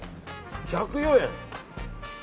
１０４円！